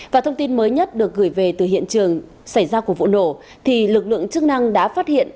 và thông tin mới nhất được gửi về từ hiện trường xảy ra của vụ nổ thì lực lượng chức năng đã phát hiện